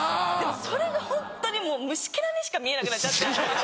それがホントに虫けらにしか見えなくなっちゃって。